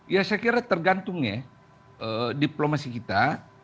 saya kira tergantungnya diplomasi kita